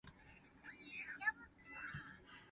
豬無肥，肥佇狗